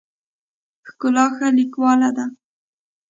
ښکلا ښه لیکواله ده.